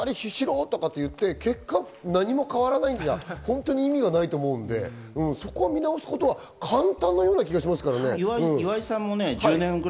結果、何も変わらないんだったら意味がないと思うんで、そこを見直すことは簡単なような気がしますけどね。